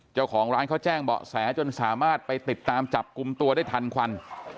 เจ้าของร้านเขาแจ้งเบาะแสจนสามารถไปติดตามจับกลุ่มตัวได้ทันควัน